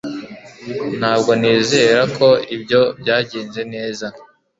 Ntabwo nizera ko ibyo byagenze neza.